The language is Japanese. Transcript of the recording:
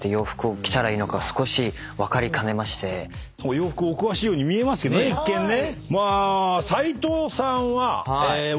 洋服お詳しいように見えますけどね一見ね。